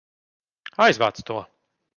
Aizvāc to!